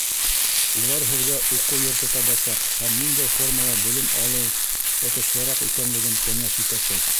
Улар һеҙгә уҡыу йорто табасаҡ һәм ниндәй формала белем алыу отошлораҡ икәнлеген кәңәш итәсәк.